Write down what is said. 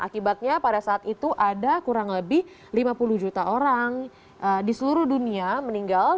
akibatnya pada saat itu ada kurang lebih lima puluh juta orang di seluruh dunia meninggal